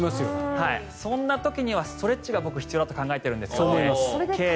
そんな時にはストレッチが僕、必要だと考えているんですよね。